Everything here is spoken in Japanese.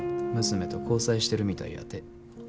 娘と交際してるみたいやて。